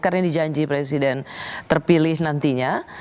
karena ini janji presiden terpilih nantinya